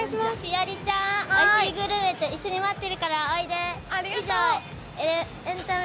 栞里ちゃん、おいしいグルメと一緒に待ってるからおいで。